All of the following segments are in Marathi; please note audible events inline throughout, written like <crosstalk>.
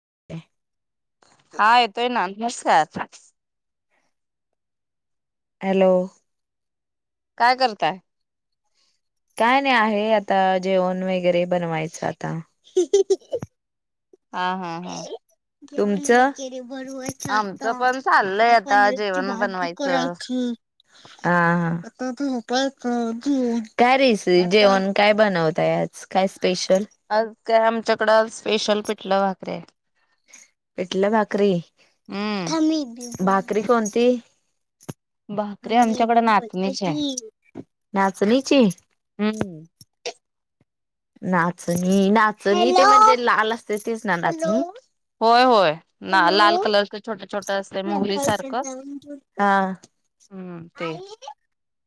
<inaudible> हा येतोय ना नमस्कार हॅलो काय करताय? काय नाही आहे आता जेवण वेगेरे बनवायचं आता हा हा हा तुमचं बनवायच आता आमचं पण आता चाललंय आता पनीरची जेवण भाजी बनवायचं. करायची हा हा हा का रेसि जेवण काय बनवताय आज काय स? आज काय आमच्या? नूडल्स स्पेशल पिटलं भाकरी हाय पिटल भाकरी हम्म थांब मी बी भा भाकरी कोणती? भाकरी आमच्याकडे नाचणीची आहे. नाचणीची हम्म नाचणी नाचणी ते म्हणजे लाल असतय तेच ना नाचणी होय होय ना लाल कलरच छोटं छोटं असतंय मोहरी सारखं हा हम्म ते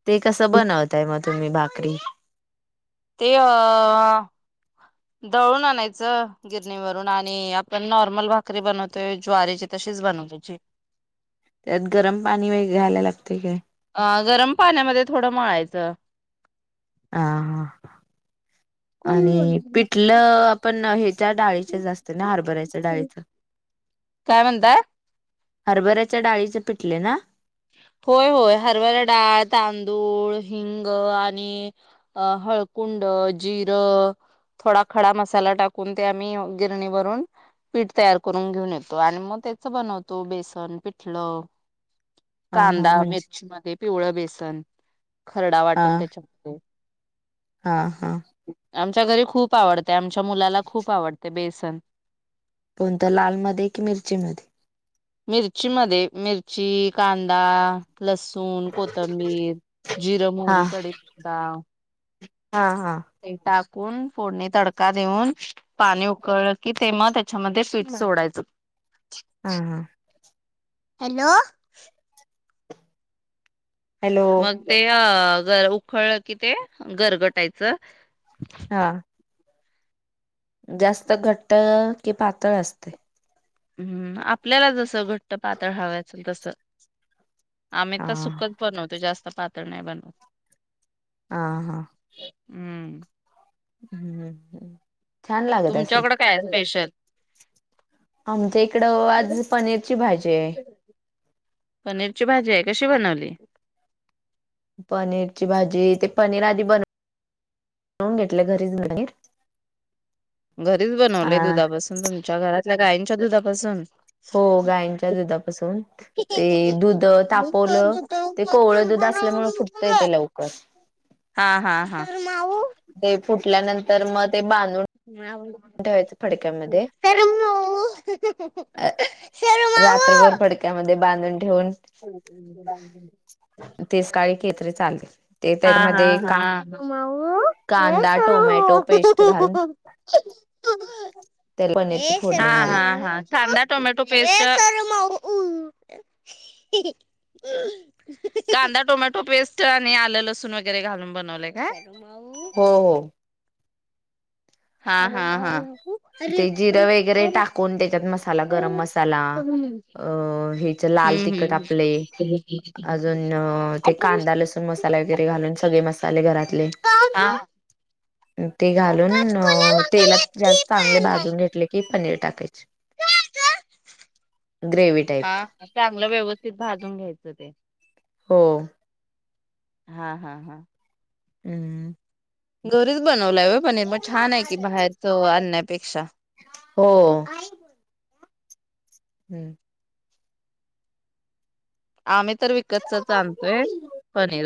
ते कस बनवताय मग तुम्ही भाकरी आणि ते अ दळून आणायचं गिरणीवरून आणि आपण नॉर्मल भाकरी बनवतोय ज्वारीची तशीच बनवायची. त्यात गरम पाणी वैगेरे घालायला लागतय काय? अ गरम पाण्यामध्ये थोडं मळायचं ह हा कोण आणि बोल पिठलं आपण हे त्या डाळीचे जास्त ना हरभऱ्याच्या डाळीचं काय म्हणताय? हरभऱ्याच्या डाळीचे पिटले ना होय होय हरभरा डाळ, तांदूळ हिंग आणि हळकुंड जिरं थोडा खडा मसाला टाकून ते आम्ही गिरणीवरून पीठ तयार करून घेऊन येतो आणि मग तेच बनवतो बेसन पिठलं हा हा कांदा, म्हणजे मिरची मध्ये पिवळ बेसन खरडा हा वाटून त्याच्यामध्ये हा हा आमच्या घरी खूप आवडतय आमच्या मुलाला खूप आवडतय बेसन तन <unintelligible> कोणत लालमध्ये की मिरचीमध्ये मिरची मध्ये मिरची, कांदा लसूण, कोथंबीर, जिर, हा मोहरी, कडीपत्ता हा हा कोण फोडणी तडका देऊन पाणी उकळलं की ते मग त्याच्यामध्ये पीठ सोडायचं हा हा हॅलो हॅलो मग ते र उखळ कि ते गारगटायच हा जास्त घट्ट की पातळ असते हम्म आप आपल्याला जसं घट्ट पा पातळ हवचं तस आम्ही हा तर सुखच बनवतो जास्त पातळ नाही बनव हा हा हम्म हम्म हम्म हम्म तुमच्याकडे काय स्पेशल? आमच्या इकडं आज पनीरची भाजी आहे पनीरची भाजी आहे कशी बनवली पनीरची भाजी ते पनीर आधी बन बनून घेतले घरीचर घरीच बनवले दुधापासून तुमच्या घरात गाईच्या दुधापासून हो गायंच्या दुधापासून ते दुध तापवलं ते कोवळ दुध असल्यामुळे फुटतय ते लवकर हा हा हा. ते फुटल्यानंतर मग ते बांध अ <unintelligible> रात्रभर फडक्यामध्ये बांधून ठेवून हम् हम् तेच काळी केतरी चाले हा हा ह ह कांदा, टोमॅटो पेस्ट घालून त्याला पनीरची फोडणी घाल ह कांदा टोमॅटो पेस्ट कांदा टोमॅटो पेस्ट आणि आल लसूण सून वगैरे घालून बनवले काय हो हो हा हा हा. अरे ते जिरे अरे वगैरे अरे टाकून त्याच्यात मसाला गरम हम्म मसाला हम्म. अ ह्याच लाल तिख आपले अजून ते हम्म कांदा लसूण मसाला वगैरे घालून सगळे मसाले घरातले. हा ते घालून काटकोल्याला गेले तेलात की जास्त चांगले पाहिलाय भाजून घेतले की पनीर टाकायचे. <unintelligible> ग्रेव्ही टाईप हा चांगला व्यवस्थित भाजू न घ्यायचं ते हो. हा हा हा. हम्म घरीच बन - - वलाय वय पनिर म छान आहे की बाहेरच आण पेक्षा हो. हम्म. आमित. <inaudible>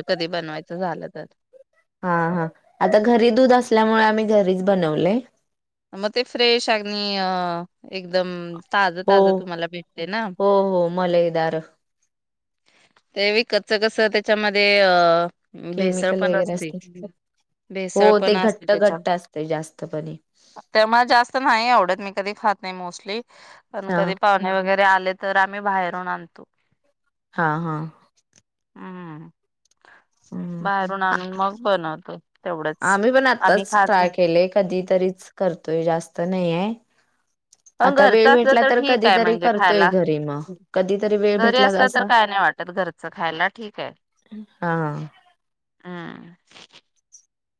कधी बनवायचं झालं तर हा हा आता घरी दूध असल्यामुळे आम्ही घरी बनवले. म ते फ्रेश आगनी अहं एकदम ताज हो ताज तुम्हाला भेटतयं ना. हो हो मलईदार ते विकतच कसं त्याच्यामध्ये अ भेसळ केमिकल पण वगैरे असते. हो भेसळ ते पण घट्ट घट्ट असते जास्त पनीर. ते मा जास्त न्हाई आवडत. मी कधी खात नाही मोस्टली. पण हा कधी पाहणे वगैर - - आले तर आम्ही बाहेरून आणतो. हा हा. हम्म हम्म बाहेरून आ- आणून मग बनवतो. <inaudible> आम्ही पण आम्ही आत्ताच खात ट्राय नाही केले कधी तरीच. करतोय. जास्त नाइआय. अ घरचं असलं तर ठीक आहे म्हणजे करतोय खायला. घरी मग कधीतरी वेळ घरी भेटला असलं तर असा काय नाही वाटत घरचं खायला ठीक हाय. हा हं.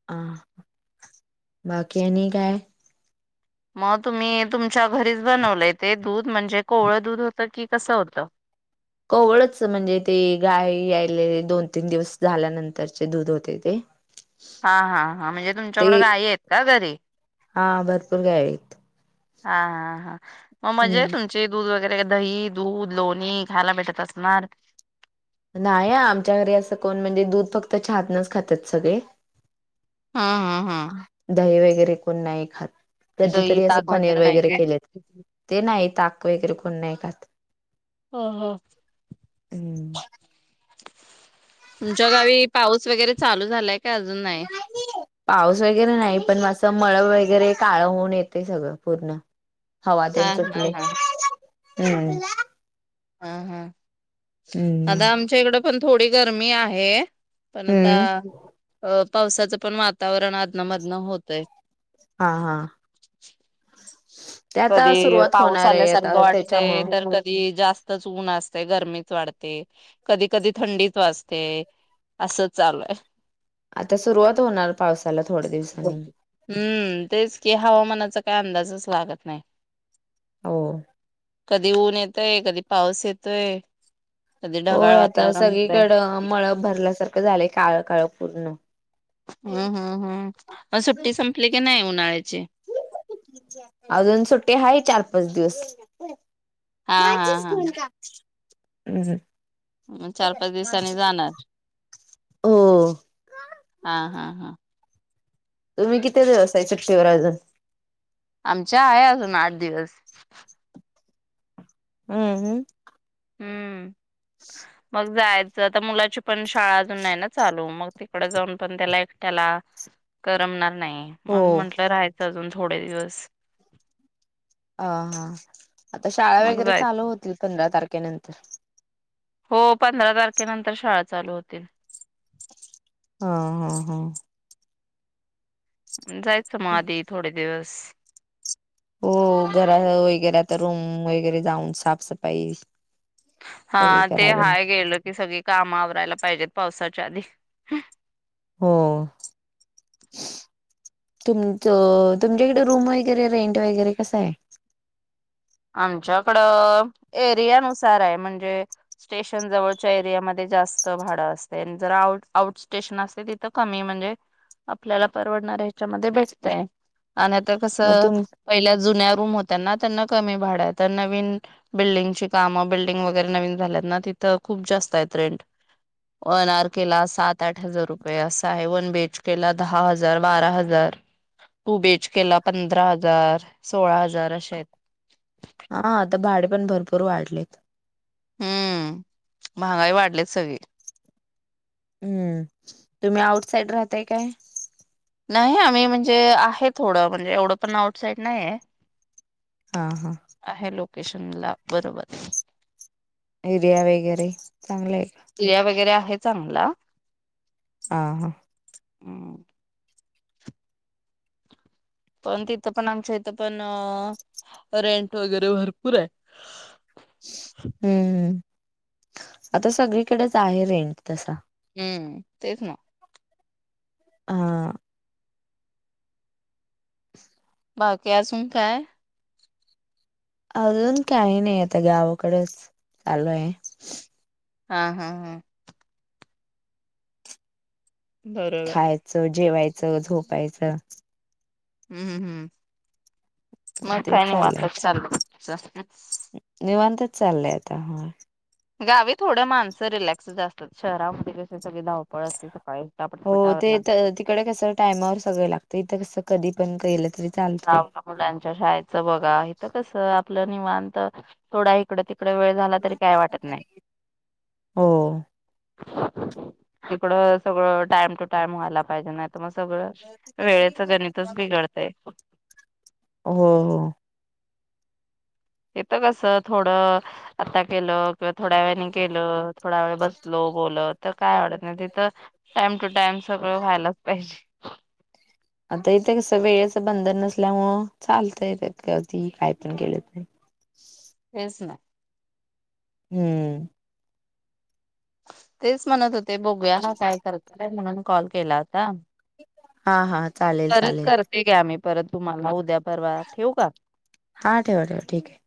अ बाकी आणि काय? मग तुम्ही तुमच्या घरीच बनवलंय ते दूध म्हणजे कोवळं दूध होतं की कसं होतं. कोवळच म्हणजे ते गाय यायले दोन, तीन दिवस झाल्यानंतरचे दूध होते ते. हां-हां-हां, म्हणजे ते तुमच्याकडं गाई आहेत का घरी? हा भरपूर गाय आहेत. हां-हां-हां अ मजा आहे हम्म. तुमची दूध वगै तग दही, दूध, लोणी खायला भेटत असणार. नाही आमच्या घरी असं कोण म्हणजे दूध फक्त चहातनंच खातात सगळे. हां-हां-हां दही वगैरे कोण नाही खात. दही कधीतरी असं ताक पनीर नाही वगैरे काय? केले त, ते नाही ताक वगैरे कोण नाही खात. हो हो हम्म तुमच्या गावी पाऊस वगैरे चालू झालाय का अजून नाही? पाऊस वगैरे नाही, पण असं मळं वगैरे काळं होऊन येते सगळं पूर्ण. हवा तेन हा हा सुटले. हम् हां-हां, हम्म आता आमच्या इकडं पण थोडी गरमी आहे. पण आता हम्म अ पावसाचं पण वातावरण आधनंमधनं होतंय. हां-हां <unintelligible> कधी सुरुवात पाऊस होणार आहे आल्यासारख आता वाटतंय, त्याच्यामुळं. तर कधी जास्त स्तच ऊन असते गरमीच वाढते. कधी-कधी थंडीच वाजते. असं चालूय. आता सुरुवात होणार पावसाला थोड्या दिवसांनी. ओके. हम्म तेच की हवामानाचा काय अंदाजच लागत नाही हो कधी ऊन येतय कधी पाऊस येतोय. कधी ढगाळ होय, आता वातावरण होतय. सगळीकडं मळं भरल्यासारखं झालय. काळं-काळं पूर्ण. हम्-हम्-हम्, अं सुट्टी संपली की नाही उन नाही आजून सुट्टी हाय चार पा पाच दिवस. हा हा माचिस हा घेऊन जा. <unintelligible> मग चार पाच दिवसांनी जाणार? हो हा, हा, हा. तुम्ही किती व्यवसाय <unintelligible> अजून? आमच्या आहे अजून आठ दिवस. हम्म, हम्म. हम्म. मग जाय आता मुलाची पण शाळा अजून नाही ना चालू, मग तिकड जाऊन पण त्याला एकट्याला करमणार नाही हो म्हणून म्हटलं राहायचं अजून. थोडे दिवस. अ हा आता शाळा मग वगैरे जायच. चालू होतील. पंधरा तारखे केनंतर. हो पंधरा तारखेनंतर शाळा चालू होतील. हा, हा, हा. जायचं मग आधी थोडे दिवस. हो घरा वगैरे आता रूम वगैरे जाऊन साफसफाई हा सगळी ते करावी हाय गेल की सगळी काम मग आवरायला पाहिजेत पावसाच्या आधी. हो तुमच तुमच्याकडे रूम वगैरे रेंट वगैरे कस हाय? आमच्याकडं एरियानुसार आहे म्हणजे स्टेशन जवळच्या एरियामध्ये जास्त भाडं असतंय आणि जर आउट आउट स्टेशन असते तिथं कमी म्हणजे आपल्याला परवडणार ह्याच्यामध्ये भेटतंय. आणि आता मग कसं तुम पहिल्या जुन्या रूम होत्या ना त्यांना कमी भाड आहे तर नवीन बिल्डिंगची कामं बिल्डिंग वगैरे नवीन झाल्यात ना तिथं खूप जास्त आहेत रेंट. वनआरकेला सात, आठ हजार रुपये असं आहे. वनबीएचकेला दहा हजार, बारा हजार, टूबीएचकेला पंधरा हजार, सोळा हजार अशे आहेत. <inaudible> हा आता भाडे पण भरपूर वाढलेत. हम्म, महागाई वाढली सगळी. हम्म तुम्ही आउटसाईड राहताय काय? नाही आम्ही म्हणजे आहे थोडं म्हणजे एवढं पण आउट साईड नाही हाय. हा, हा. स्टेशनला बरोबर एरिया वगैरे चांगलं आहे का? एरिया वगैरे आहे चांगला हा, हा. हम्म. पण तिथं पण आमच्या इथ पण रेंट वगैरे भरपूर आहे. हम्म. आता सगळीकडेच आहे रेंट तसा. हम्म, तेच ना. हा. बाकी आजून काय? अजून काही नाही आता गावाकडच आलोय. हा हा हा बरोबर खायचं जेवायचं, झोपायचं हम्म हम्म मग तेच काय चाललंय निवांत आता चाललय सासरी? निवांतच चाललंय आता हा गावी थोड माणसं रिलॅक्स च असतात शहरामध्ये कशे हो ते तिकडे कस टायमावर सगळ लागतय इथं कस कधी पण केलं तरी? हा चालतंय. व मुलांच्या शाळेचं बघा इथ कस आपलं निवांत थोड इकड तीक इड वेळ झाला तरी काय वाटत नाही? हो. इकडं सगळं टाइम टू टाइम व्हायला पाहिजे नाही तर मग सगळं वेळेचं गणितच बिघडतय हो हो इथ कस थोडं आता केलं किंवा थोड्या वेळान केलं थोड्या वेळ बसलो बोलत तर काय वाटत नाही तिथं टाइम टू टाइम सगळं व्हायलाच पाहिजे. आता इथे कस वेळेचं बंधन नसल्यामुळं चालतंय ती काय पण केलं तेच ना हम्म तेच म्हणत हो ते बघूया हा काय करतय म्हणून कॉल केला होता. हा हा चालेल चालेल. पर तुमाला उद्या परवा ठेवू का? हा ठेव ठेव ठीक आहे.